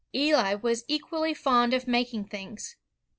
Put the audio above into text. Eli was equally fond of making things.